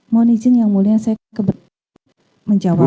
mohon izin yang mulia saya kebetulan menjawab